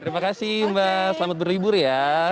terima kasih mbak selamat berlibur ya